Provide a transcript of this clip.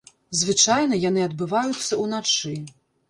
Звычайна яны адбываюцца ўначы.